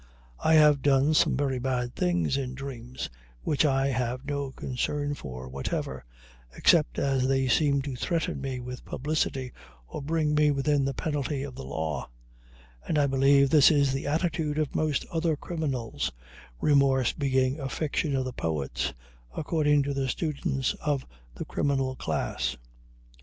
I have done some very bad things in dreams which I have no concern for whatever, except as they seem to threaten me with publicity or bring me within the penalty of the law; and I believe this is the attitude of most other criminals, remorse being a fiction of the poets, according to the students of the criminal class.